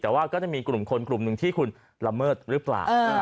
แต่ว่าก็จะมีกลุ่มคนกลุ่มหนึ่งที่คุณละเมิดหรือเปล่า